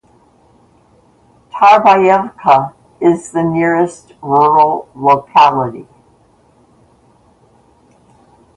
Tarbeyevka is the nearest rural locality.